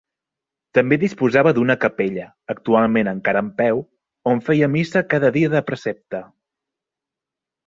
També disposava d'una capella, actualment encara en peu, on feia missa cada dia de precepte.